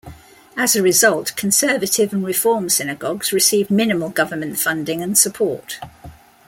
As a result, Conservative and Reform synagogues receive minimal government funding and support.